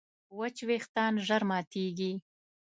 وچ وېښتيان ژر ماتېږي.